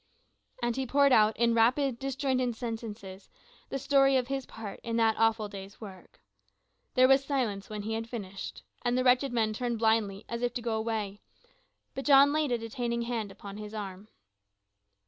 And he poured out in rapid disjointed sentences the story of his part in that awful day's work. There was silence when he had finished, and the wretched man turned blindly as if to go away, but John laid a detaining hand upon his arm.